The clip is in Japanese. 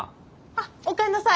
あおかえりなさい。